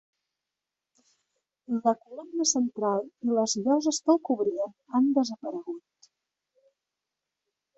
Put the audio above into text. La columna central i les lloses que el cobrien han desaparegut.